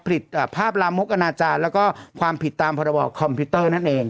ผลิตภาพลามุกอาณาจารย์แล้วก็ความผิดตามประวัติคอมพิวเตอร์นั่นเอง